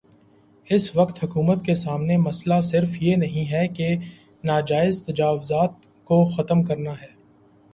اس وقت حکومت کے سامنے مسئلہ صرف یہ نہیں ہے کہ ناجائز تجاوزات کو ختم کرنا ہے۔